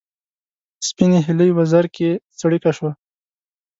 سپینې هیلۍ وزر کې څړیکه شوه